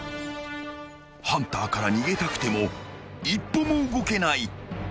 ［ハンターから逃げたくても一歩も動けない］